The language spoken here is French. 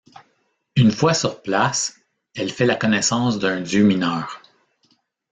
Une fois sur place, elle fait la connaissance d'un dieu mineur.